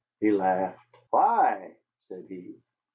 He laughed. "Why?" said he.